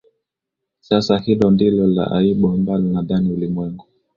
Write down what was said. sasa hilo ndilo la aibu ambalo nadhani ulimwengu